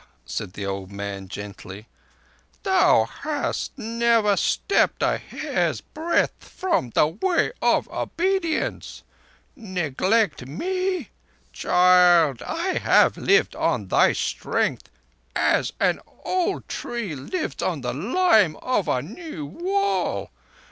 said the old man gently. "Thou hast never stepped a hair's breadth from the Way of Obedience. Neglect me? Child, I have lived on thy strength as an old tree lives on the lime of a new wall.